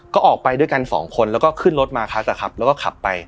ก็ออกไปด้วยกันสองคนแล้วก็ขึ้นรถมาคัสแล้วก็ขับไป